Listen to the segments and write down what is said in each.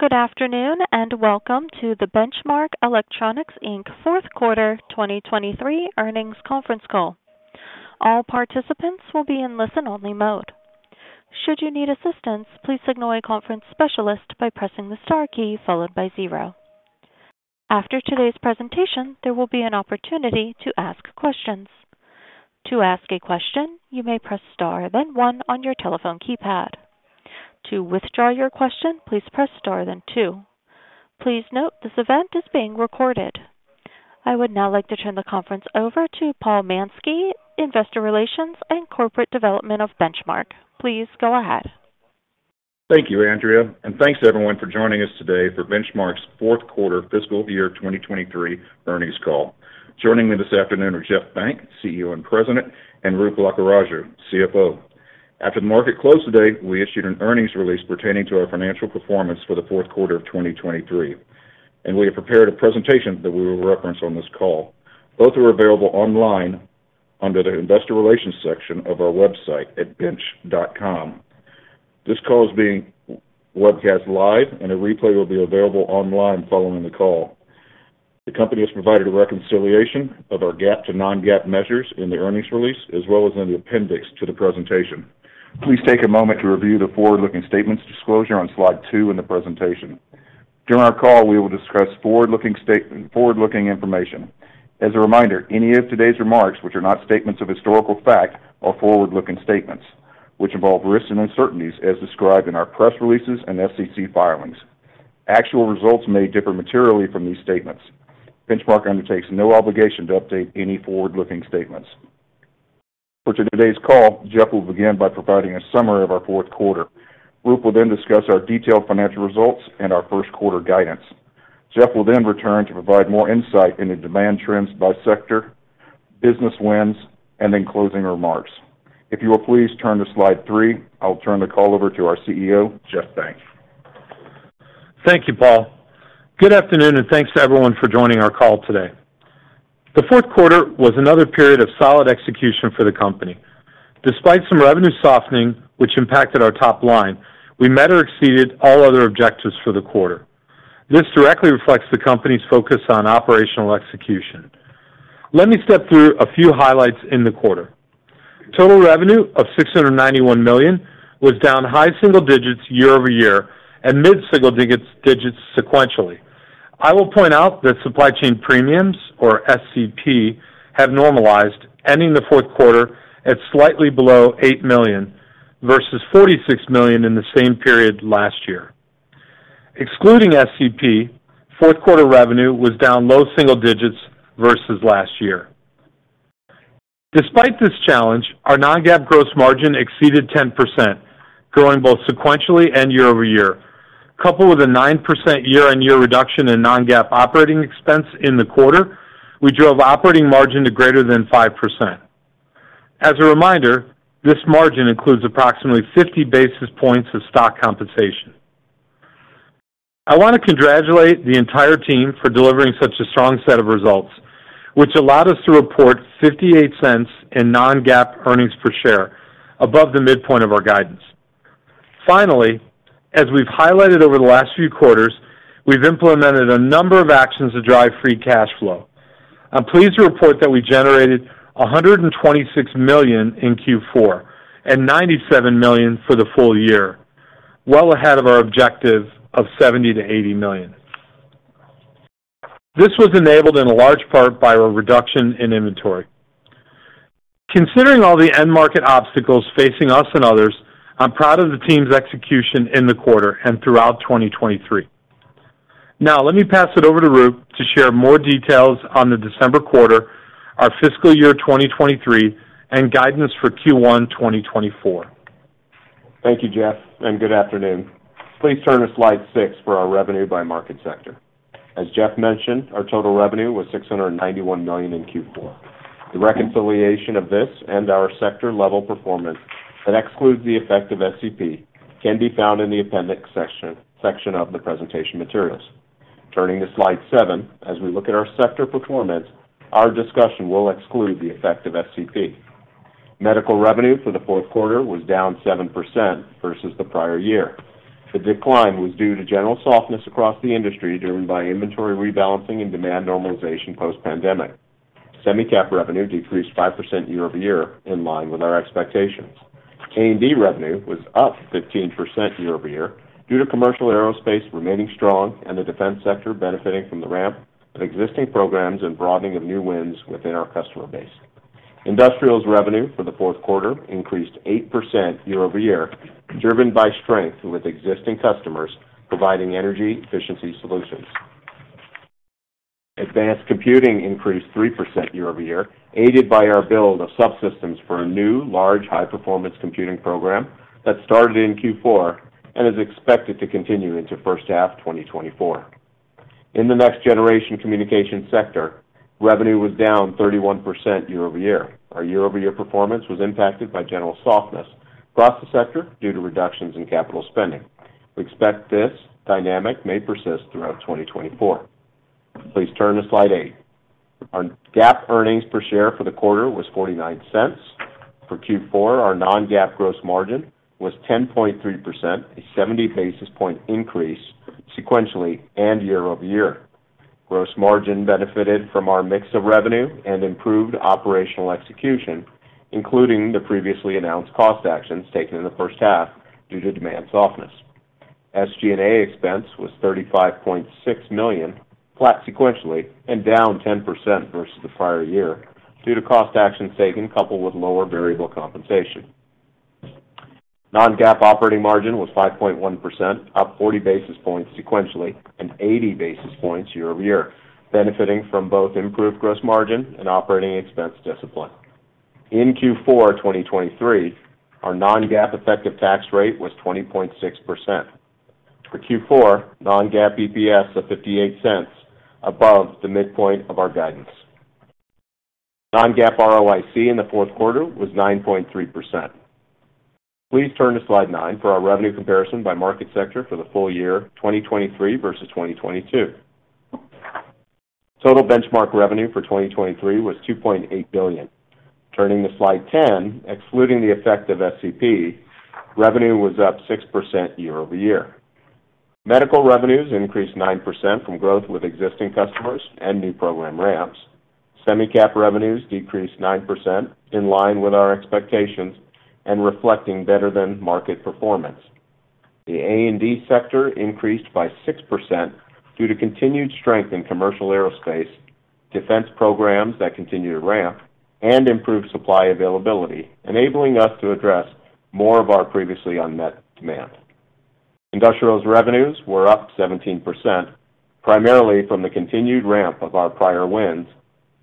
Good afternoon, and welcome to the Benchmark Electronics, Inc. fourth quarter 2023 earnings conference call. All participants will be in listen-only mode. Should you need assistance, please signal a conference specialist by pressing the star key followed by zero. After today's presentation, there will be an opportunity to ask questions. To ask a question, you may press star then one on your telephone keypad. To withdraw your question, please press star then two. Please note, this event is being recorded. I would now like to turn the conference over to Paul Mansky, Investor Relations and Corporate Development of Benchmark. Please go ahead. Thank you, Andrea, and thanks to everyone for joining us today for Benchmark's fourth quarter fiscal year 2023 earnings call. Joining me this afternoon are Jeff Benck, CEO and President, and Roop Lakkaraju, CFO. After the market closed today, we issued an earnings release pertaining to our financial performance for the fourth quarter of 2023, and we have prepared a presentation that we will reference on this call. Both are available online under the Investor Relations section of our website at bench.com. This call is being webcast live, and a replay will be available online following the call. The company has provided a reconciliation of our GAAP to non-GAAP measures in the earnings release, as well as in the appendix to the presentation. Please take a moment to review the forward-looking statements disclosure on slide two in the presentation. During our call, we will discuss forward-looking statements. As a reminder, any of today's remarks, which are not statements of historical fact, are forward-looking statements, which involve risks and uncertainties as described in our press releases and SEC filings. Actual results may differ materially from these statements. Benchmark undertakes no obligation to update any forward-looking statements. For today's call, Jeff will begin by providing a summary of our fourth quarter. Roop will then discuss our detailed financial results and our first quarter guidance. Jeff will then return to provide more insight into demand trends by sector, business wins, and then closing remarks. If you will please turn to slide three, I'll turn the call over to our CEO, Jeff Benck. Thank you, Paul. Good afternoon, and thanks to everyone for joining our call today. The fourth quarter was another period of solid execution for the company. Despite some revenue softening, which impacted our top line, we met or exceeded all other objectives for the quarter. This directly reflects the company's focus on operational execution. Let me step through a few highlights in the quarter. Total revenue of $691 million was down high single digits year-over-year and mid-single digits sequentially. I will point out that supply chain premiums, or SCP, have normalized, ending the fourth quarter at slightly below $8 million, versus $46 million in the same period last year. Excluding SCP, fourth quarter revenue was down low single digits versus last year. Despite this challenge, our non-GAAP gross margin exceeded 10%, growing both sequentially and year-over-year. Coupled with a 9% year-on-year reduction in non-GAAP operating expense in the quarter, we drove operating margin to greater than 5%. As a reminder, this margin includes approximately 50 basis points of stock compensation. I want to congratulate the entire team for delivering such a strong set of results, which allowed us to report $0.58 in non-GAAP earnings-per-share, above the midpoint of our guidance. Finally, as we've highlighted over the last few quarters, we've implemented a number of actions to drive free cash flow. I'm pleased to report that we generated $126 million in Q4, and $97 million for the full-year, well ahead of our objective of $70 million-$80 million. This was enabled in large part by a reduction in inventory. Considering all the end-market obstacles facing us and others, I'm proud of the team's execution in the quarter and throughout 2023. Now, let me pass it over to Roop to share more details on the December quarter, our fiscal year 2023, and guidance for Q1 2024. Thank you, Jeff, and good afternoon. Please turn to slide six for our revenue by market sector. As Jeff mentioned, our total revenue was $691 million in Q4. The reconciliation of this and our sector-level performance that excludes the effect of SCP can be found in the appendix section, section of the presentation materials. Turning to slide seven, as we look at our sector performance, our discussion will exclude the effect of SCP. Medical revenue for the fourth quarter was down 7% versus the prior-year. The decline was due to general softness across the industry, driven by inventory rebalancing and demand normalization post-pandemic. Semi-Cap revenue decreased 5% year-over-year, in line with our expectations. A&D revenue was up 15% year-over-year due to commercial aerospace remaining strong and the defense sector benefiting from the ramp of existing programs and broadening of new wins within our customer base. Industrials revenue for the fourth quarter increased 8% year-over-year, driven by strength with existing customers providing energy efficiency solutions. Advanced computing increased 3% year-over-year, aided by our build of subsystems for a new large high-performance computing program that started in Q4 and is expected to continue into first half 2024. In the next generation communication sector, revenue was down 31% year-over-year. Our year-over-year performance was impacted by general softness across the sector due to reductions in capital spending. We expect this dynamic may persist throughout 2024.... Please turn to slide eight. Our GAAP earnings-per-share for the quarter was $0.49. For Q4, our non-GAAP gross margin was 10.3%, a 70 basis point increase sequentially and year-over-year. Gross margin benefited from our mix of revenue and improved operational execution, including the previously announced cost actions taken in the first half due to demand softness. SG&A expense was $35.6 million, flat sequentially, and down 10% versus the prior-year due to cost actions taken, coupled with lower variable compensation. Non-GAAP operating margin was 5.1%, up 40 basis points sequentially, and 80 basis points year-over-year, benefiting from both improved gross margin and operating expense discipline. In Q4 2023, our non-GAAP effective tax rate was 20.6%. For Q4, non-GAAP EPS of $0.58, above the midpoint of our guidance. Non-GAAP ROIC in the fourth quarter was 9.3%. Please turn to slide nine for our revenue comparison by market sector for the full-year, 2023 versus 2022. Total Benchmark revenue for 2023 was $2.8 billion. Turning to slide 10, excluding the effect of SCP, revenue was up 6% year-over-year. Medical revenues increased 9% from growth with existing customers and new program ramps. Semi-Cap revenues decreased 9% in line with our expectations and reflecting better-than-market performance. The A&D sector increased by 6% due to continued strength in commercial aerospace, defense programs that continue to ramp, and improved supply availability, enabling us to address more of our previously unmet demand. Industrials revenues were up 17%, primarily from the continued ramp of our prior wins,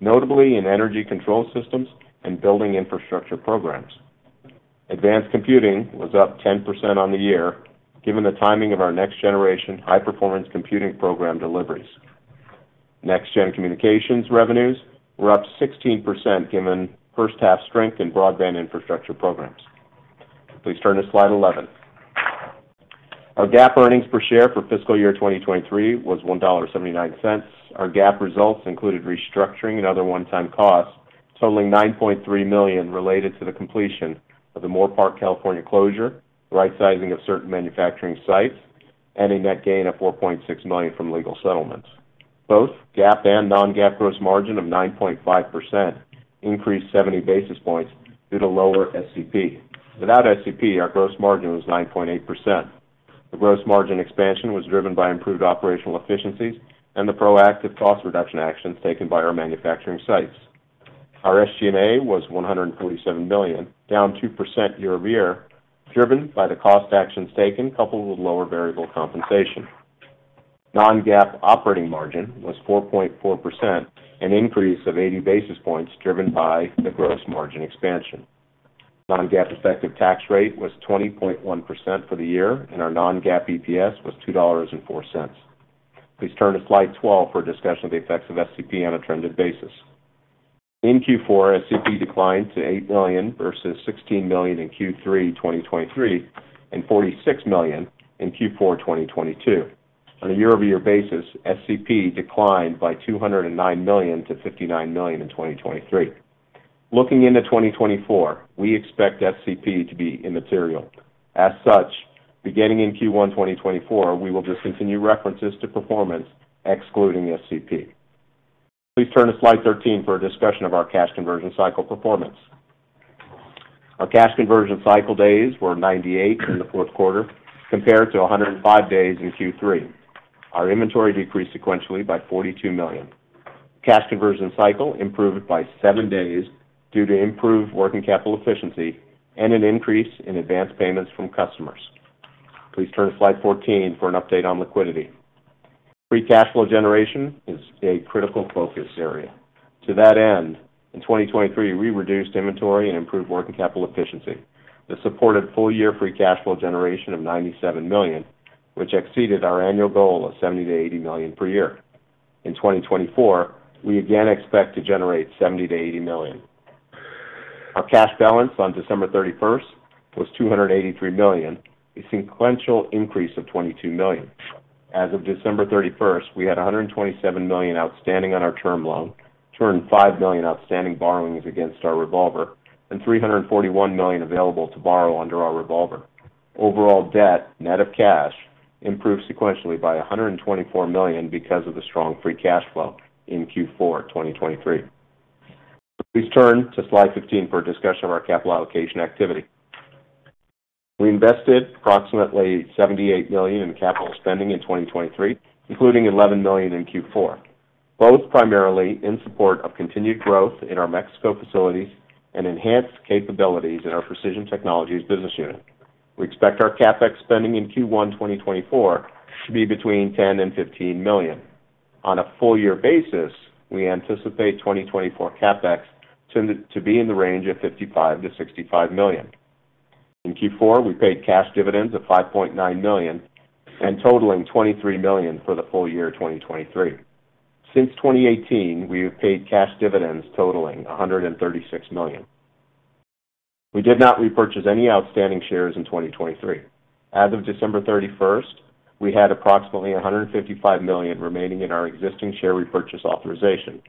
notably in energy control systems and building infrastructure programs. Advanced computing was up 10% on the year, given the timing of our next-generation high-performance computing program deliveries. Next-gen communications revenues were up 16%, given first half strength in broadband infrastructure programs. Please turn to slide 11. Our GAAP earnings-per-share for fiscal year 2023 was $1.79. Our GAAP results included restructuring and other one-time costs, totaling $9.3 million, related to the completion of the Moorpark, California, closure, rightsizing of certain manufacturing sites, and a net gain of $4.6 million from legal settlements. Both GAAP and non-GAAP gross margin of 9.5% increased 70 basis points due to lower SCP. Without SCP, our gross margin was 9.8%. The gross margin expansion was driven by improved operational efficiencies and the proactive cost reduction actions taken by our manufacturing sites. Our SG&A was $147 million, down 2% year-over-year, driven by the cost actions taken, coupled with lower variable compensation. Non-GAAP operating margin was 4.4%, an increase of 80 basis points, driven by the gross margin expansion. Non-GAAP effective tax rate was 20.1% for the year, and our non-GAAP EPS was $2.04. Please turn to slide 12 for a discussion of the effects of SCP on a trended basis. In Q4, SCP declined to $8 million versus $16 million in Q3 2023, and $46 million in Q4 2022. On a year-over-year basis, SCP declined by $209 million-$59 million in 2023. Looking into 2024, we expect SCP to be immaterial. As such, beginning in Q1 2024, we will discontinue references to performance excluding SCP. Please turn to slide 13 for a discussion of our cash conversion cycle performance. Our cash conversion cycle days were 98 in the fourth quarter, compared to 105 days in Q3. Our inventory decreased sequentially by $42 million. Cash conversion cycle improved by seven days due to improved working capital efficiency and an increase in advanced payments from customers. Please turn to slide 14 for an update on liquidity. Free cash flow generation is a critical focus area. To that end, in 2023, we reduced inventory and improved working capital efficiency. This supported full-year free cash flow generation of $97 million, which exceeded our annual goal of $70 million-$80 million per year. In 2024, we again expect to generate $70 million-$80 million. Our cash balance on December 31st was $283 million, a sequential increase of $22 million. As of December 31st, we had $127 million outstanding on our term loan, $5 million outstanding borrowings against our revolver, and $341 million available to borrow under our revolver. Overall debt, net of cash, improved sequentially by $124 million because of the strong free cash flow in Q4 2023. Please turn to slide 15 for a discussion of our capital allocation activity. We invested approximately $78 million in capital spending in 2023, including $11 million in Q4, both primarily in support of continued growth in our Mexico facilities and enhanced capabilities in our Precision Technologies business unit. We expect our CapEx spending in Q1 2024 to be between $10 and $15 million. On a full-year basis, we anticipate 2024 CapEx to be in the range of $55 million-$65 million. In Q4, we paid cash dividends of $5.9 million and totaling $23 million for the full-year 2023. Since 2018, we have paid cash dividends totaling $136 million. We did not repurchase any outstanding shares in 2023. As of December 31st, we had approximately $155 million remaining in our existing share repurchase authorization.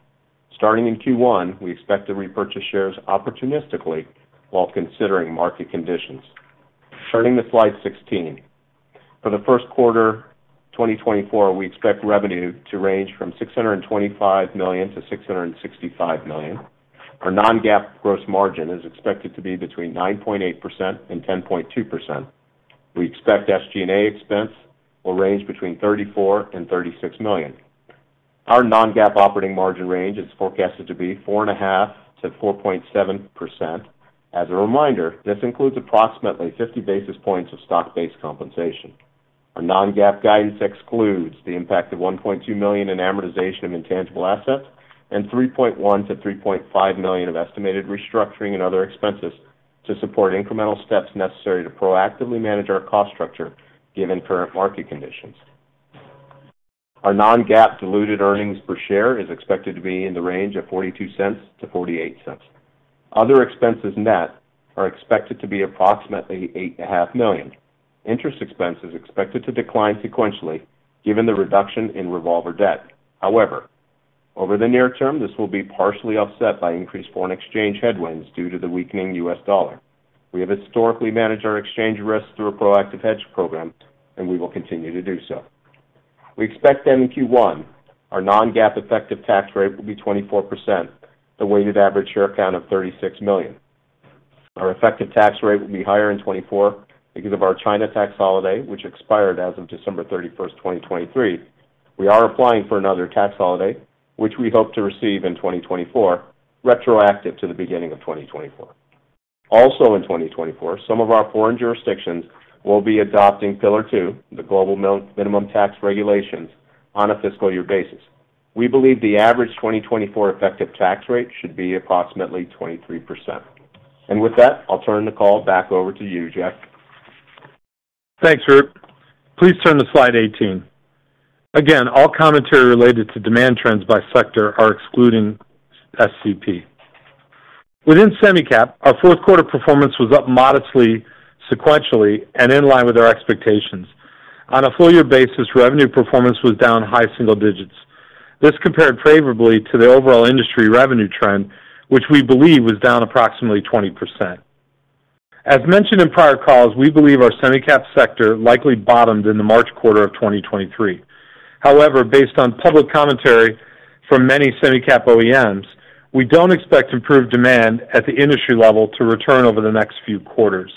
Starting in Q1, we expect to repurchase shares opportunistically while considering market conditions. Turning to slide 16. For the first quarter 2024, we expect revenue to range from $625 million-$665 million. Our non-GAAP gross margin is expected to be between 9.8%-10.2%. We expect SG&A expense will range between $34 million-$36 million. Our non-GAAP operating margin range is forecasted to be 4.5%-4.7%. As a reminder, this includes approximately 50 basis points of stock-based compensation. Our non-GAAP guidance excludes the impact of $1.2 million in amortization of intangible assets and $3.1 million-$3.5 million of estimated restructuring and other expenses to support incremental steps necessary to proactively manage our cost structure, given current market conditions. Our non-GAAP diluted earnings-per-share is expected to be in the range of $0.42-$0.48. Other expenses, net are expected to be approximately $8.5 million. Interest expense is expected to decline sequentially, given the reduction in revolver debt. However, over the near term, this will be partially offset by increased foreign exchange headwinds due to the weakening U.S. dollar. We have historically managed our exchange risks through a proactive hedge program, and we will continue to do so. We expect in Q1, our non-GAAP effective tax rate will be 24%, a weighted average share count of 36 million. Our effective tax rate will be higher in 2024 because of our China tax holiday, which expired as of December 31st, 2023. We are applying for another tax holiday, which we hope to receive in 2024, retroactive to the beginning of 2024. Also in 2024, some of our foreign jurisdictions will be adopting Pillar Two, the global minimum tax regulations, on a fiscal year basis. We believe the average 2024 effective tax rate should be approximately 23%. And with that, I'll turn the call back over to you, Jeff. Thanks, Roop. Please turn to slide 18. Again, all commentary related to demand trends by sector are excluding SCP. Within semi-cap, our fourth quarter performance was up modestly, sequentially, and in line with our expectations. On a full-year basis, revenue performance was down high single digits. This compared favorably to the overall industry revenue trend, which we believe was down approximately 20%. As mentioned in prior calls, we believe our semi-cap sector likely bottomed in the March quarter of 2023. However, based on public commentary from many semi-cap OEMs, we don't expect improved demand at the industry level to return over the next few quarters.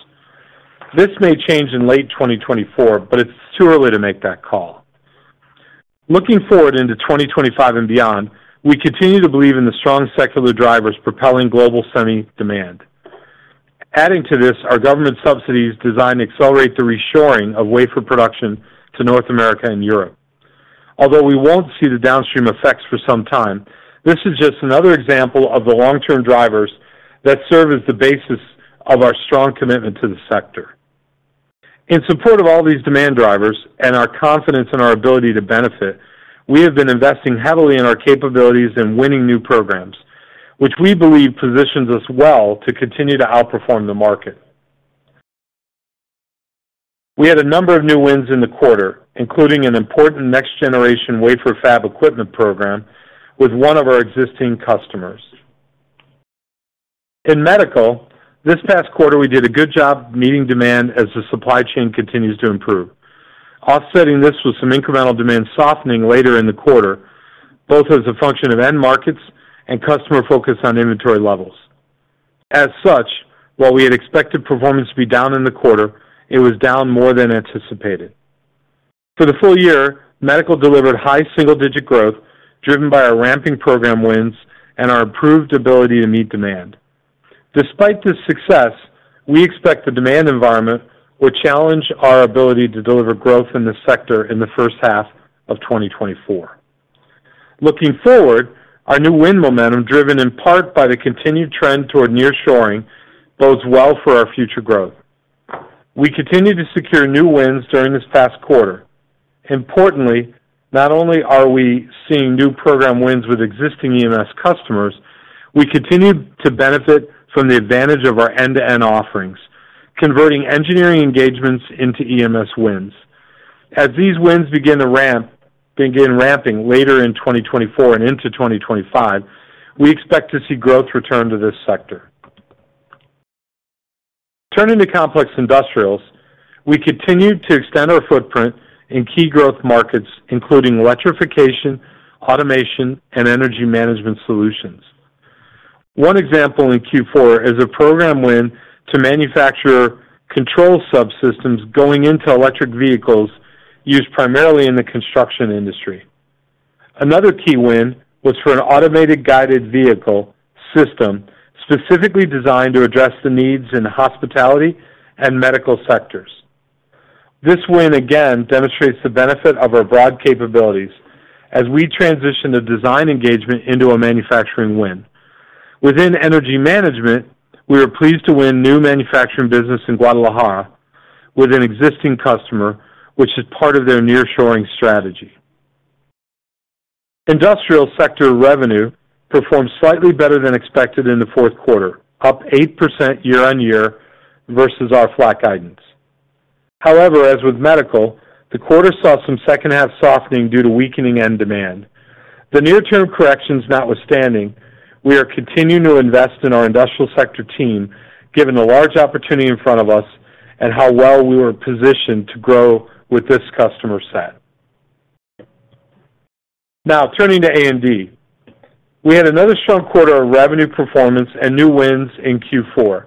This may change in late 2024, but it's too early to make that call. Looking forward into 2025 and beyond, we continue to believe in the strong secular drivers propelling global semi demand. Adding to this are government subsidies designed to accelerate the reshoring of wafer production to North America and Europe. Although we won't see the downstream effects for some time, this is just another example of the long-term drivers that serve as the basis of our strong commitment to the sector. In support of all these demand drivers and our confidence in our ability to benefit, we have been investing heavily in our capabilities in winning new programs, which we believe positions us well to continue to outperform the market. We had a number of new wins in the quarter, including an important next-generation wafer fab equipment program with one of our existing customers. In medical, this past quarter, we did a good job meeting demand as the supply chain continues to improve. Offsetting this was some incremental demand softening later in the quarter, both as a function of end markets and customer focus on inventory levels. As such, while we had expected performance to be down in the quarter, it was down more than anticipated. For the full-year, medical delivered high single-digit growth, driven by our ramping program wins and our improved ability to meet demand. Despite this success, we expect the demand environment will challenge our ability to deliver growth in this sector in the first half of 2024. Looking forward, our new win momentum, driven in part by the continued trend toward nearshoring, bodes well for our future growth. We continued to secure new wins during this past quarter. Importantly, not only are we seeing new program wins with existing EMS customers, we continue to benefit from the advantage of our end-to-end offerings, converting engineering engagements into EMS wins. As these wins begin ramping later in 2024 and into 2025, we expect to see growth return to this sector. Turning to complex industrials, we continued to extend our footprint in key growth markets, including electrification, automation, and energy management solutions. One example in Q4 is a program win to manufacture control subsystems going into electric vehicles used primarily in the construction industry. Another key win was for an automated guided vehicle system, specifically designed to address the needs in the hospitality and medical sectors. This win, again, demonstrates the benefit of our broad capabilities as we transition a design engagement into a manufacturing win. Within energy management, we are pleased to win new manufacturing business in Guadalajara with an existing customer, which is part of their nearshoring strategy. Industrial sector revenue performed slightly better than expected in the fourth quarter, up 8% year-on-year versus our flat guidance. However, as with medical, the quarter saw some second-half softening due to weakening end demand. The near-term corrections notwithstanding, we are continuing to invest in our industrial sector team, given the large opportunity in front of us and how well we were positioned to grow with this customer set. Now, turning to A&D. We had another strong quarter of revenue performance and new wins in Q4,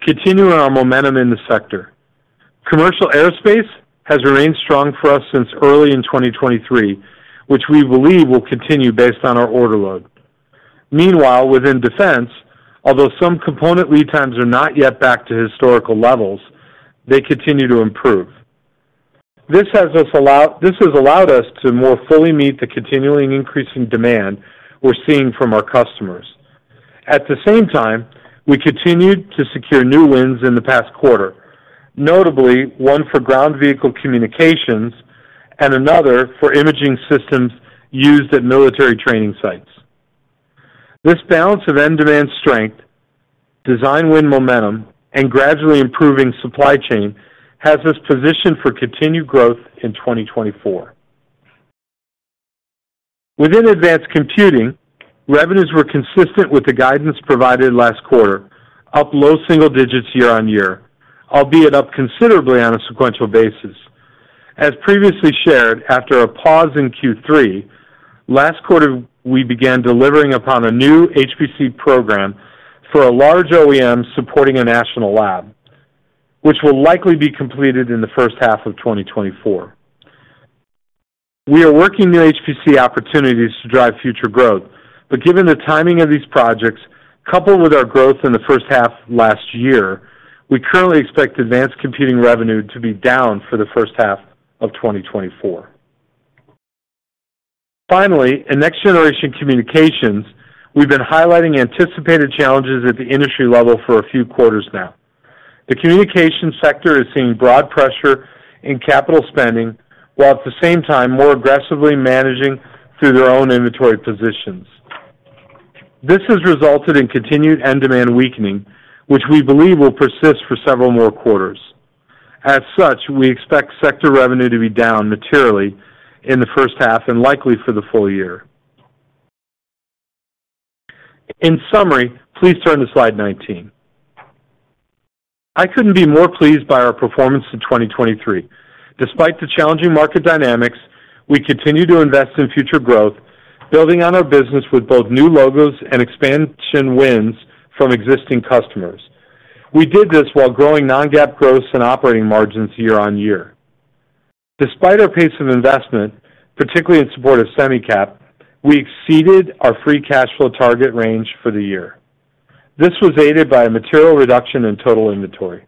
continuing our momentum in the sector. Commercial aerospace has remained strong for us since early in 2023, which we believe will continue based on our order load. Meanwhile, within defense, although some component lead times are not yet back to historical levels, they continue to improve. This has allowed us to more fully meet the continually increasing demand we're seeing from our customers. At the same time, we continued to secure new wins in the past quarter, notably one for ground vehicle communications and another for imaging systems used at military training sites. This balance of end demand strength, design win momentum, and gradually improving supply chain has us positioned for continued growth in 2024. Within advanced computing, revenues were consistent with the guidance provided last quarter, up low single digits year-on-year, albeit up considerably on a sequential basis. As previously shared, after a pause in Q3, last quarter, we began delivering upon a new HPC program for a large OEM supporting a national lab, which will likely be completed in the first half of 2024. We are working new HPC opportunities to drive future growth, but given the timing of these projects, coupled with our growth in the first half last year, we currently expect advanced computing revenue to be down for the first half of 2024. Finally, in next-generation communications, we've been highlighting anticipated challenges at the industry level for a few quarters now. The communication sector is seeing broad pressure in capital spending, while at the same time, more aggressively managing through their own inventory positions. This has resulted in continued end demand weakening, which we believe will persist for several more quarters. As such, we expect sector revenue to be down materially in the first half and likely for the full-year. In summary, please turn to slide 19. I couldn't be more pleased by our performance in 2023. Despite the challenging market dynamics, we continue to invest in future growth, building on our business with both new logos and expansion wins from existing customers. We did this while growing non-GAAP gross and operating margins year-over-year. Despite our pace of investment, particularly in support of Semi-Cap, we exceeded our free cash flow target range for the year. This was aided by a material reduction in total inventory.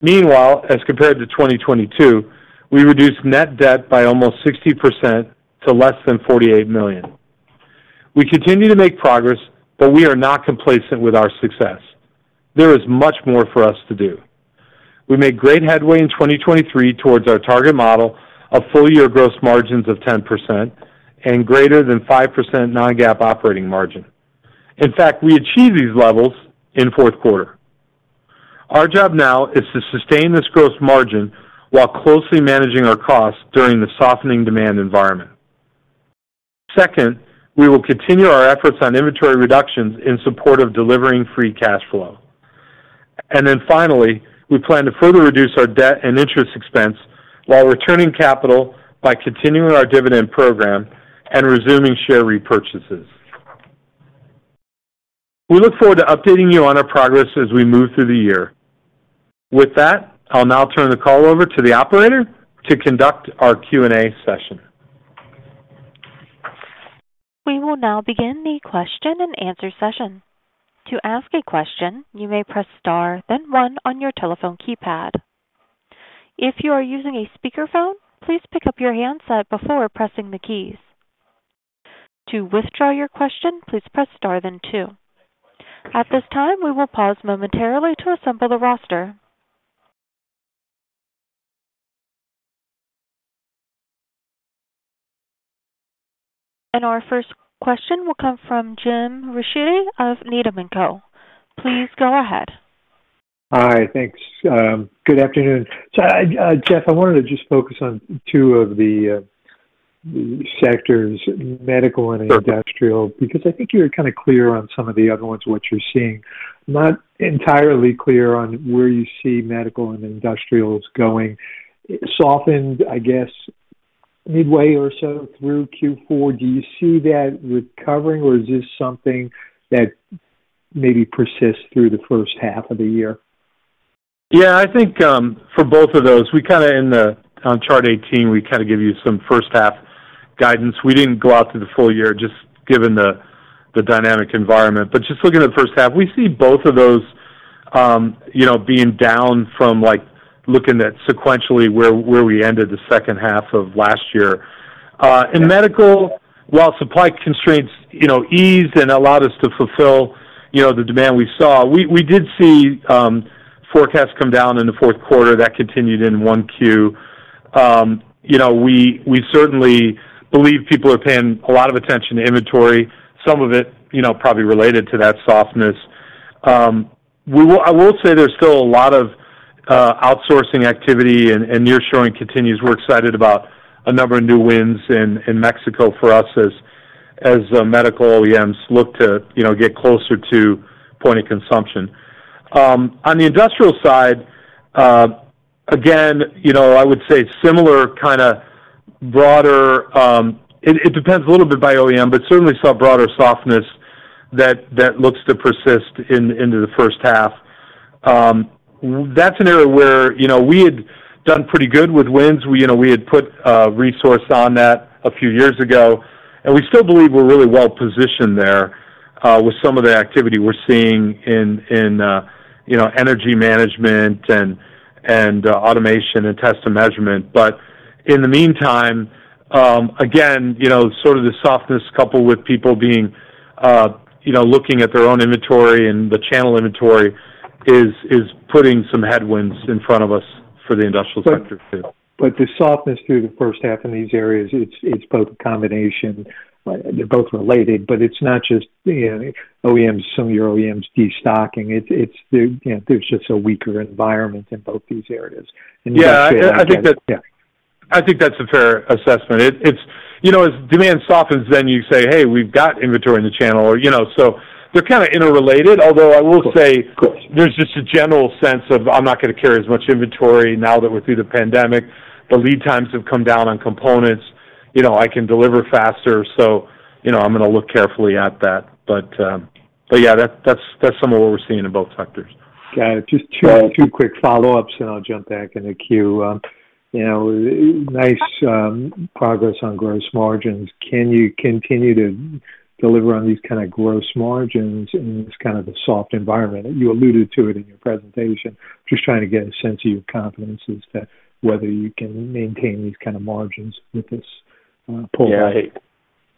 Meanwhile, as compared to 2022, we reduced net debt by almost 60% to less than $48 million. We continue to make progress, but we are not complacent with our success. There is much more for us to do. We made great headway in 2023 towards our target model of full-year gross margins of 10% and greater than 5% non-GAAP operating margin. In fact, we achieved these levels in fourth quarter. Our job now is to sustain this gross margin while closely managing our costs during the softening demand environment. Second, we will continue our efforts on inventory reductions in support of delivering free cash flow. And then finally, we plan to further reduce our debt and interest expense while returning capital by continuing our dividend program and resuming share repurchases. We look forward to updating you on our progress as we move through the year. With that, I'll now turn the call over to the operator to conduct our Q&A session. We will now begin the question-and-answer session. To ask a question, you may press star, then one on your telephone keypad. If you are using a speakerphone, please pick up your handset before pressing the keys. To withdraw your question, please press star then two. At this time, we will pause momentarily to assemble the roster. Our first question will come from Jim Ricchiuti of Needham & Company. Please go ahead. Hi, thanks. Good afternoon. So, Jeff, I wanted to just focus on two of the sectors, medical and industrial, because I think you're kind of clear on some of the other ones, what you're seeing. Not entirely clear on where you see medical and industrials going. It softened, I guess, midway or so through Q4. Do you see that recovering, or is this something that maybe persists through the first half of the year? Yeah, I think, for both of those, we kind of in the, on Chart 18, we kind of give you some first-half guidance. We didn't go out to the full-year, just given the dynamic environment. But just looking at the first half, we see both of those, you know, being down from, like, looking at sequentially, where we ended the second half of last year. In medical, while supply constraints, you know, eased and allowed us to fulfill, you know, the demand we saw, we did see forecasts come down in the fourth quarter, that continued in 1Q. You know, we certainly believe people are paying a lot of attention to inventory, some of it, you know, probably related to that softness. I will say there's still a lot of outsourcing activity and nearshoring continues. We're excited about a number of new wins in Mexico for us as medical OEMs look to, you know, get closer to point of consumption. On the industrial side, again, you know, I would say similar kind of broader, it depends a little bit by OEM, but certainly saw broader softness that looks to persist into the first half. That's an area where, you know, we had done pretty good with wins. We, you know, we had put resource on that a few years ago, and we still believe we're really well positioned there, with some of the activity we're seeing in, you know, energy management and automation and test and measurement. But in the meantime, again, you know, sort of the softness coupled with people being, you know, looking at their own inventory and the channel inventory is putting some headwinds in front of us for the industrial sector too. But the softness through the first half in these areas, it's both a combination. They're both related, but it's not just, you know, OEMs, some of your OEMs destocking. It's, you know, there's just a weaker environment in both these areas. Yeah, I think that- Yeah. I think that's a fair assessment. It's, you know, as demand softens, then you say, "Hey, we've got inventory in the channel," or, you know. So they're kind of interrelated, although I will say- Of course. There's just a general sense of, I'm not gonna carry as much inventory now that we're through the pandemic. The lead times have come down on components, you know, I can deliver faster, so, you know, I'm gonna look carefully at that. But, but yeah, that's, that's, that's some of what we're seeing in both sectors. Got it. Just two, two quick follow-ups, and I'll jump back in the queue. You know, nice progress on gross margins. Can you continue to deliver on these kind of gross margins in this kind of a soft environment? You alluded to it in your presentation. Just trying to get a sense of your confidence as to whether you can maintain these kind of margins with this pull. Yeah.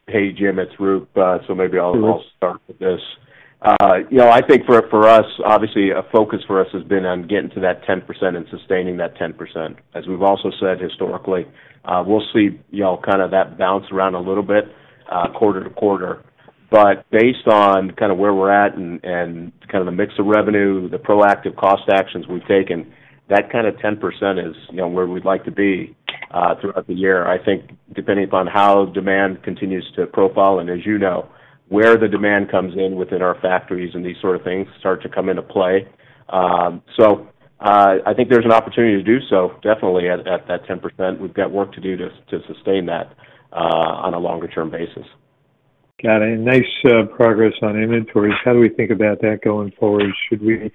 Hey, Jim, it's Roop. So maybe I'll- Sure. Start with this. You know, I think for, for us, obviously a focus for us has been on getting to that 10% and sustaining that 10%. As we've also said historically, we'll see, you know, kind of that bounce around a little bit, quarter to quarter. But based on kind of where we're at and, and kind of the mix of revenue, the proactive cost actions we've taken, that kind of 10% is, you know, where we'd like to be, throughout the year. I think depending upon how demand continues to profile, and as you know, where the demand comes in within our factories and these sort of things start to come into play. So, I think there's an opportunity to do so, definitely at, at that 10%. We've got work to do to sustain that on a longer-term basis. Got it. Nice, progress on inventories. How do we think about that going forward? Should we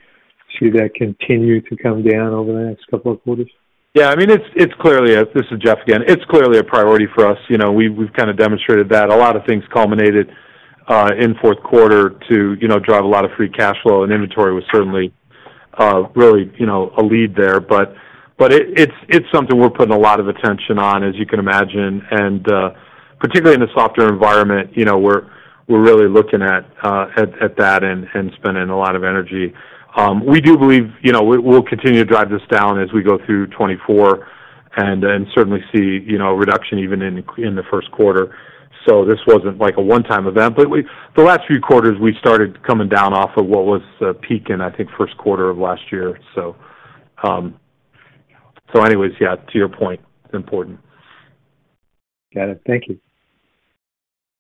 see that continue to come down over the next couple of quarters? Yeah, I mean, it's clearly a... This is Jeff again. It's clearly a priority for us. You know, we've kind of demonstrated that. A lot of things culminated in fourth quarter to, you know, drive a lot of free cash flow, and inventory was certainly really, you know, a lead there. But it, it's something we're putting a lot of attention on, as you can imagine, and particularly in the softer environment, you know, we're really looking at that and spending a lot of energy. We do believe, you know, we will continue to drive this down as we go through 2024, and certainly see, you know, a reduction even in the first quarter. So this wasn't like a one-time event, but the last few quarters, we started coming down off of what was peaking, I think, first quarter of last year. So, so anyways, yeah, to your point, important. Got it. Thank you.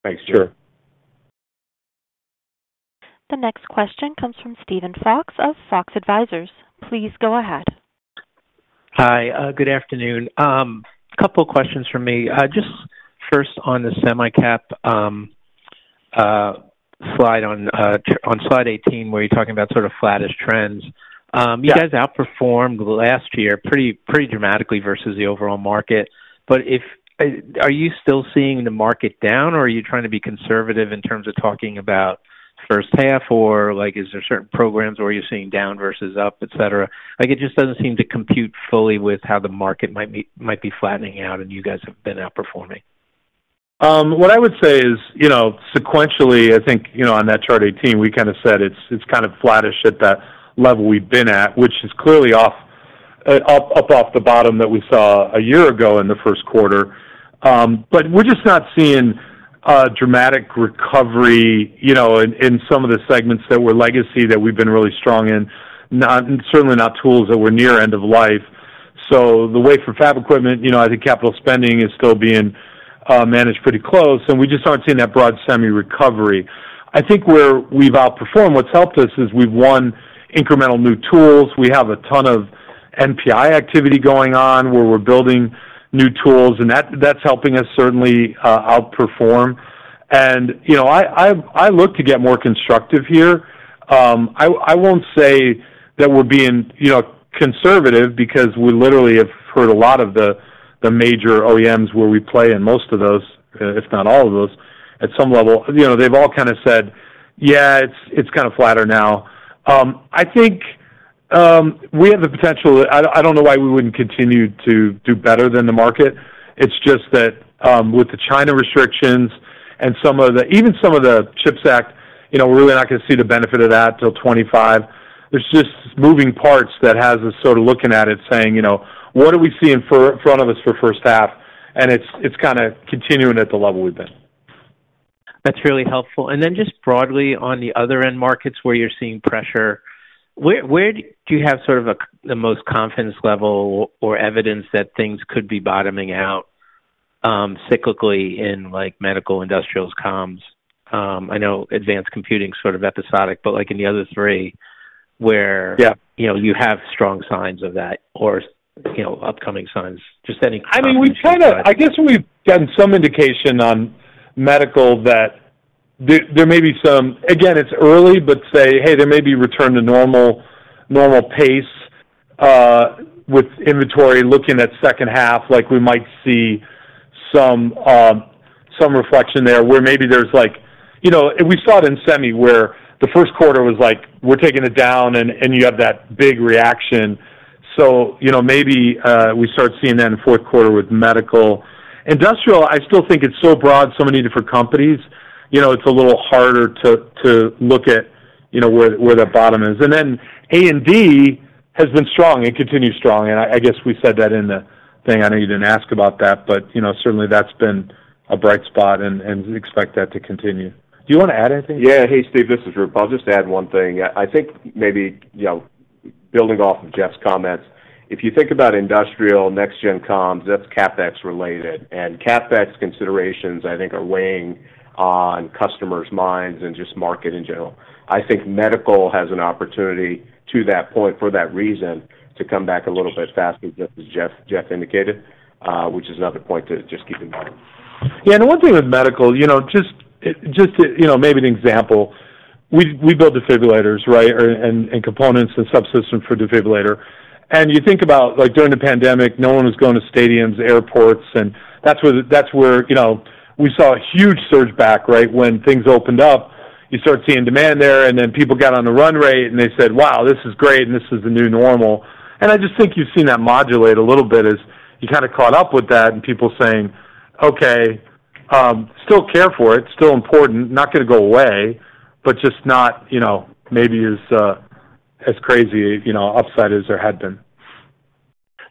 Thanks. Sure. The next question comes from Steven Fox of Fox Advisors. Please go ahead. Hi, good afternoon. Couple questions from me. Just first on the Semi-Cap, slide on, on slide 18, where you're talking about sort of flattish trends. Yeah. You guys outperformed last year pretty, pretty dramatically versus the overall market, but are you still seeing the market down, or are you trying to be conservative in terms of talking about first half, or like, is there certain programs where you're seeing down versus up, et cetera? Like, it just doesn't seem to compute fully with how the market might be, might be flattening out and you guys have been outperforming. What I would say is, you know, sequentially, I think, you know, on that chart 18, we kind of said it's, it's kind of flattish at that level we've been at, which is clearly up, up off the bottom that we saw a year ago in the first quarter. But we're just not seeing a dramatic recovery, you know, in, in some of the segments that were legacy, that we've been really strong in. Certainly not tools that were near end of life. So the way for fab equipment, you know, I think capital spending is still being managed pretty close, and we just aren't seeing that broad semi recovery. I think where we've outperformed, what's helped us, is we've won incremental new tools. We have a ton of NPI activity going on, where we're building new tools, and that, that's helping us certainly, outperform. You know, I look to get more constructive here. I won't say that we're being, you know, conservative, because we literally have heard a lot of the major OEMs where we play in most of those, if not all of those, at some level. You know, they've all kind of said, "Yeah, it's kind of flatter now." I think we have the potential. I don't know why we wouldn't continue to do better than the market. It's just that, with the China restrictions and some of the, even some of the CHIPS Act, you know, we're really not gonna see the benefit of that till 2025. There's just moving parts that has us sort of looking at it, saying, you know, "What are we seeing in front of us for first half?" And it's, it's kinda continuing at the level we've been. That's really helpful. And then just broadly, on the other end markets where you're seeing pressure, where do you have sort of a, the most confidence level or evidence that things could be bottoming out, cyclically in, like, medical, industrials, comms? I know advanced computing is sort of episodic, but, like, in the other three, where- Yeah you know, you have strong signs of that or, you know, upcoming signs, just any- I mean, we try to-- I guess we've gotten some indication on medical that there, there may be some... Again, it's early, but say, hey, there may be return to normal, normal pace, with inventory looking at second half, like, we might see some, some reflection there, where maybe there's like... You know, and we saw it in Semi, where the first quarter was like: We're taking it down, and, and you have that big reaction. So, you know, maybe, we start seeing that in the fourth quarter with medical. Industrial, I still think it's so broad, so many different companies, you know, it's a little harder to, to look at, you know, where, where the bottom is. And then A&D has been strong and continues strong, and I, I guess we said that in the thing. I know you didn't ask about that, but, you know, certainly that's been a bright spot, and we expect that to continue. Do you wanna add anything? Yeah. Hey, Steve, this is Roop. I'll just add one thing. I think maybe, you know, building off of Jeff's comments, if you think about industrial, next gen comms, that's CapEx related, and CapEx considerations, I think, are weighing on customers' minds and just market in general. I think medical has an opportunity, to that point, for that reason, to come back a little bit faster, just as Jeff, Jeff indicated, which is another point to just keep in mind. Yeah, and the one thing with medical, you know, just, just to, you know, maybe an example, we, we build defibrillators, right? And, and components and subsystems for defibrillator. And you think about, like, during the pandemic, no one was going to stadiums, airports, and that's where, that's where, you know, we saw a huge surge back, right? When things opened up, you start seeing demand there, and then people got on the run rate, and they said, "Wow, this is great, and this is the new normal." And I just think you've seen that modulate a little bit as you kinda caught up with that and people saying, "Okay, still care for it, still important, not gonna go away," but just not, you know, maybe as, as crazy, you know, upside as there had been.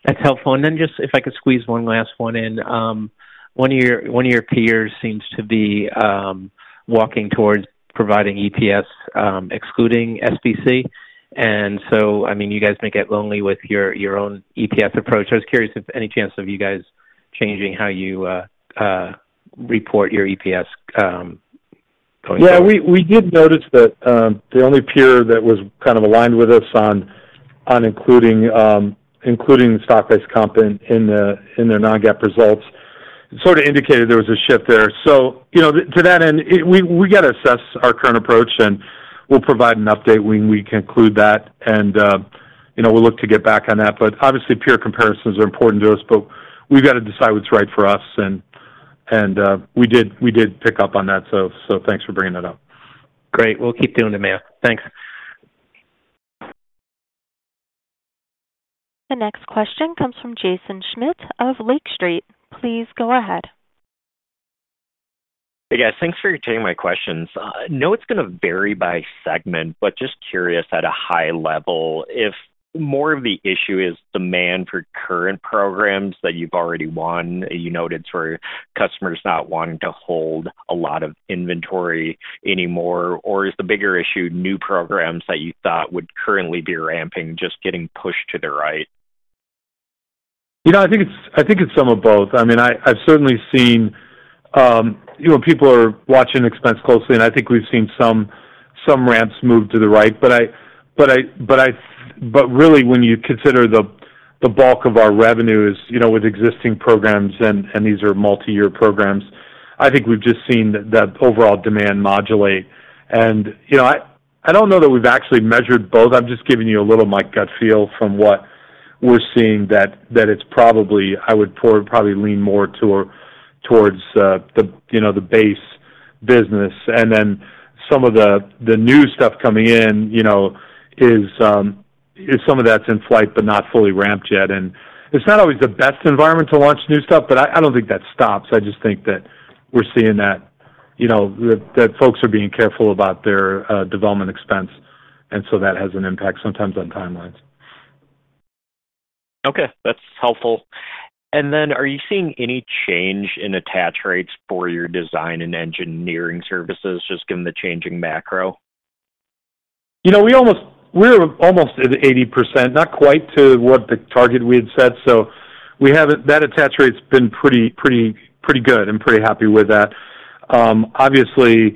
That's helpful. And then just if I could squeeze one last one in. One of your peers seems to be walking towards providing EPS excluding SBC. And so, I mean, you guys may get lonely with your own EPS approach. I was curious if any chance of you guys changing how you report your EPS going forward. Yeah, we did notice that the only peer that was kind of aligned with us on including the stock-based comp in their non-GAAP results sort of indicated there was a shift there. So, you know, to that end, we got to assess our current approach, and we'll provide an update when we conclude that, and, you know, we'll look to get back on that. But obviously, peer comparisons are important to us, but we've got to decide what's right for us, and we did pick up on that, so thanks for bringing that up. Great. We'll keep doing the math. Thanks. The next question comes from Jaeson Schmidt of Lake Street. Please go ahead. Hey, guys. Thanks for taking my questions. I know it's gonna vary by segment, but just curious at a high level, if more of the issue is demand for current programs that you've already won, you noted for customers not wanting to hold a lot of inventory anymore, or is the bigger issue, new programs that you thought would currently be ramping, just getting pushed to the right? You know, I think it's some of both. I mean, I've certainly seen, you know, people are watching expense closely, and I think we've seen some ramps move to the right. But really, when you consider the bulk of our revenues, you know, with existing programs, and these are multi-year programs, I think we've just seen the overall demand modulate. And, you know, I don't know that we've actually measured both. I'm just giving you a little my gut feel from what we're seeing, that it's probably, I would probably lean more towards, you know, the base business. And then some of the new stuff coming in, you know, is some of that's in flight, but not fully ramped yet. It's not always the best environment to launch new stuff, but I don't think that stops. I just think that we're seeing that, you know, that folks are being careful about their development expense, and so that has an impact sometimes on timelines. Okay, that's helpful. And then, are you seeing any change in attach rates for your design and engineering services, just given the changing macro? You know, we almost, we're almost at 80%, not quite to what the target we had set. So we haven't, that attach rate's been pretty, pretty, pretty good, I'm pretty happy with that. Obviously,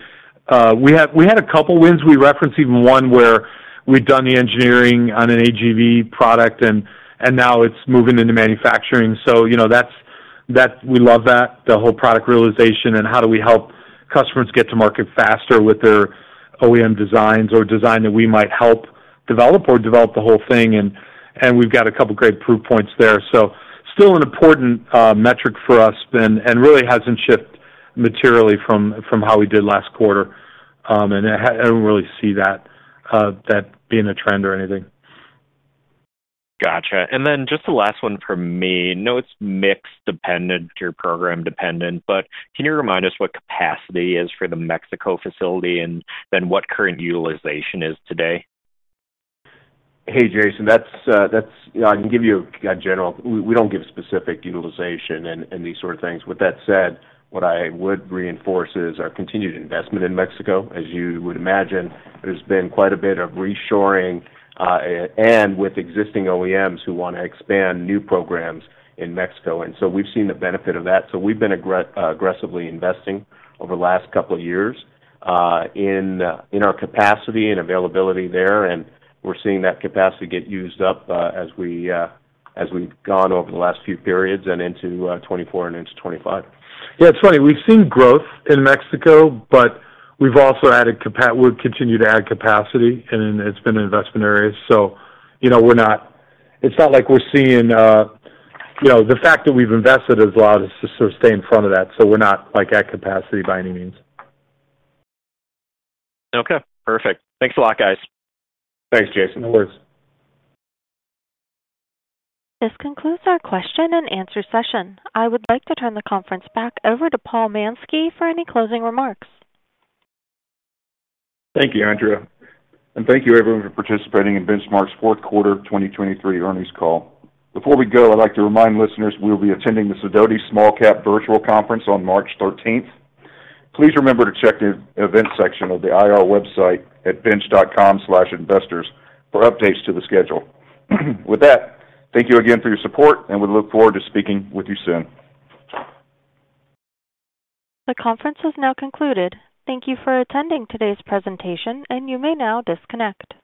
we had, we had a couple wins. We referenced even one where we've done the engineering on an AGV product and, and now it's moving into manufacturing. So, you know, that's, that, we love that, the whole product realization, and how do we help customers get to market faster with their OEM designs or design that we might help develop or develop the whole thing, and, and we've got a couple great proof points there. So still an important metric for us, and, and really hasn't shifted materially from, from how we did last quarter, and I, I don't really see that, that being a trend or anything. ... Gotcha. And then just the last one from me. I know it's mix dependent, your program dependent, but can you remind us what capacity is for the Mexico facility and then what current utilization is today? Hey, Jaeson, that's, you know, I can give you a general... We don't give specific utilization and these sort of things. With that said, what I would reinforce is our continued investment in Mexico. As you would imagine, there's been quite a bit of reshoring, and with existing OEMs who want to expand new programs in Mexico, and so we've seen the benefit of that. So we've been aggressively investing over the last couple of years, in our capacity and availability there, and we're seeing that capacity get used up, as we've gone over the last few periods and into 2024 and into 2025. Yeah, it's funny. We've seen growth in Mexico, but we've also added capacity, we've continued to add capacity, and it's been an investment area, so, you know, we're not. It's not like we're seeing... You know, the fact that we've invested as well is to sort of stay in front of that, so we're not, like, at capacity by any means. Okay, perfect. Thanks a lot, guys. Thanks, Jaeson. No worries. This concludes our question and answer session. I would like to turn the conference back over to Paul Mansky for any closing remarks. Thank you, Andrea, and thank you everyone for participating in Benchmark's fourth quarter 2023 earnings call. Before we go, I'd like to remind listeners we will be attending the Sidoti Small Cap Virtual Conference on March 13th. Please remember to check the events section of the IR website at bench.com/investors for updates to the schedule. With that, thank you again for your support, and we look forward to speaking with you soon. The conference has now concluded. Thank you for attending today's presentation, and you may now disconnect.